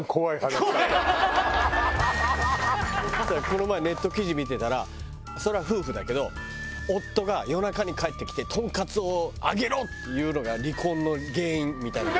この前ネット記事見てたらそれは夫婦だけど夫が夜中に帰ってきて「トンカツを揚げろ！」って言うのが離婚の原因みたいな。